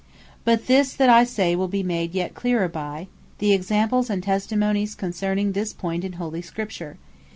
But this that I say, will be made yet cleerer, by the Examples, and Testimonies concerning this point in holy Scripture.